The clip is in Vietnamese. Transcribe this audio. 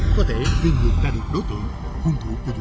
có thể tuyên bược ra được đối tượng hung thủ cho tù án